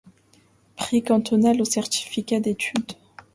Prix cantonal au certificat d'études.